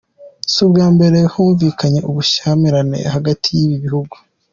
Si ubwa mbere humvikanye ubushyamirane hagati y’ibi bihugu.